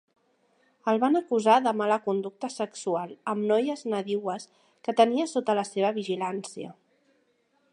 El van acusar de mala conducta sexual amb noies nadiues que tenia sota la seva vigilància.